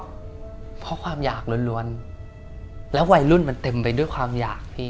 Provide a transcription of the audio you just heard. เพราะความอยากล้วนแล้ววัยรุ่นมันเต็มไปด้วยความอยากพี่